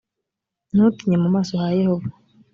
ntutinye mu maso ha yehova